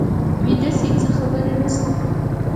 ویده شئ څه خبره نه شته.